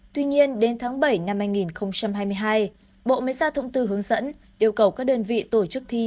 tuy nhiên đến tháng bảy năm hai nghìn hai mươi hai bộ mê sa thụng tư hướng dẫn yêu cầu các đơn vị tổ chức thi